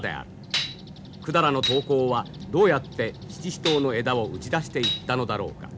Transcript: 百済の刀工はどうやって七支刀の枝を打ち出していったのだろうか。